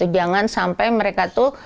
jangan sampai mereka itu